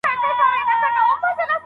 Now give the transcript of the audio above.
تاریخي پرېکړي څه ډول سوي دي؟